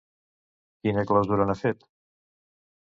Quina clausura n'ha fet?